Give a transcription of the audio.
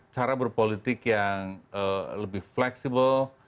cara berpolitik yang lebih fleksibel